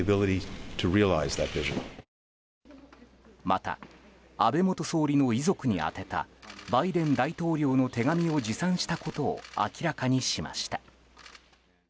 また安倍元総理の遺族に宛てたバイデン大統領の手紙を持参したことを明らかにしました。